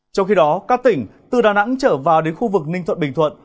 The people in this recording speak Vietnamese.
trong khi đó các tỉnh từ đà nẵng trở vào đến khu vực ninh thuận bình thuận